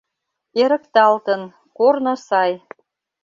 Эрыкталтын, корно сай.